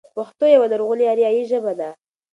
پښتو يوه لرغونې آريايي ژبه ده.